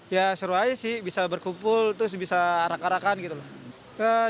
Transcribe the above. ya seru aja sih bisa berkumpul terus bisa arak arakan gitu loh